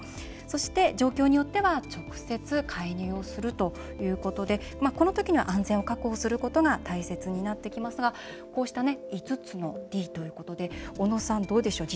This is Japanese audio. そして、状況によっては直接介入をするということでこのときには安全を確保することが大切になってきますがこうした５つのＤということでおのさん、どうでしょう。